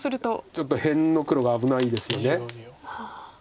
ちょっと辺の黒が危ないですよね。